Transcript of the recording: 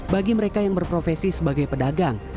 bagi mereka yang berprofesi sebagai pedagang